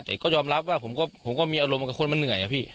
แต่ก็ยอมรับว่าผมก็มีอารมณ์กับคนมันเหนื่อยอะพี่